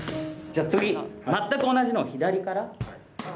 じゃあ次全く同じのを左から。